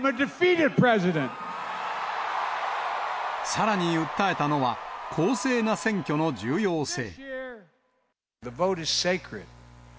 さらに訴えたのは、公正な選挙の重要性。